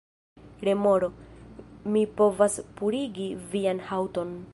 Remoro: "Mi povas purigi vian haŭton."